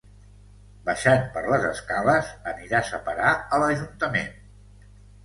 Baixant per les escales aniràs a parar a l'ajuntament.